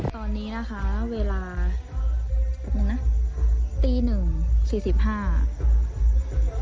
ตอนนี้นะคะเวลาตกหนึ่งนะตีหนึ่งสี่สิบห้า